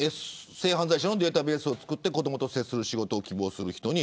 性犯罪者のデータベースを作って子どもと接する仕事を希望する人に